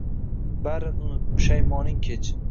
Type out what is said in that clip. Barin unut, pushaymoning kech